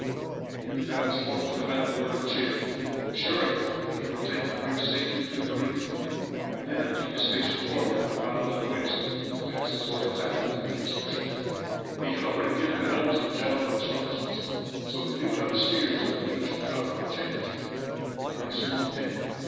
The youth then spoke to the men a word of cheer, assuring them that he could take the brig safely through the reef, and then took his station forward, with Donald in the waist to pass his orders aft, in case there should be need. He had already given to the helmsmen general instructions, so they knew how to steer till the need should come for a change. And pretty soon it came.